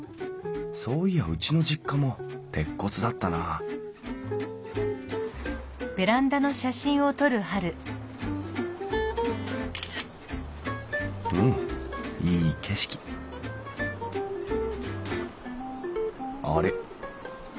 そういやうちの実家も鉄骨だったなぁうんいい景色あれ？